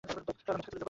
কাল আমি ঢাকা চলে যাব।